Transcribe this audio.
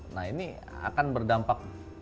nah ini akan berdampak